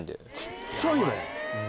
小っちゃいね。